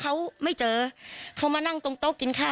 พ่อเขาไม่เจอเขามะนั่งตรงโต๊ะกินข้าวสิมนี่ค่ะ